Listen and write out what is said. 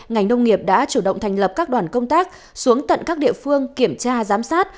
ngành nông nghiệp đã chủ động thành lập các đoàn công tác xuống tận các địa phương kiểm tra giám sát